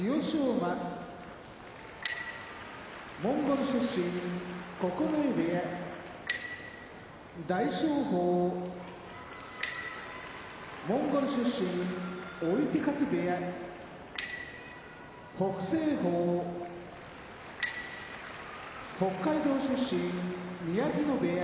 馬モンゴル出身九重部屋大翔鵬モンゴル出身追手風部屋北青鵬北海道出身宮城野部屋